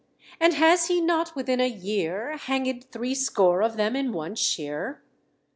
And has he not within a year Hang'd threescore of them in one shire?